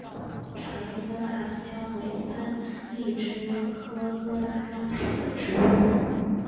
长叶哥纳香为番荔枝科哥纳香属的植物。